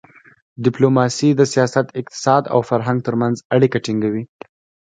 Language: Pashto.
ډیپلوماسي د سیاست، اقتصاد او فرهنګ ترمنځ اړیکه ټینګوي.